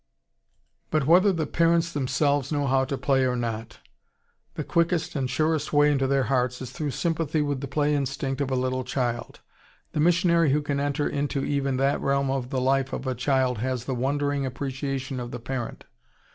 But whether the parents themselves know how to play or not, the quickest and surest way into their hearts is through sympathy with the play instinct of a little child. The missionary who can enter into even that realm of the life of a child has the wondering appreciation of the parent.